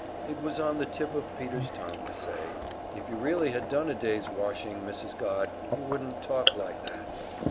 It was on the tip of Peter's tongue to say: "If you really had done a day's washing, Mrs. Godd, you wouldn't talk like that!"